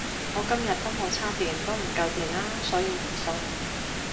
我今日都冇叉電都唔夠電呀所以唔送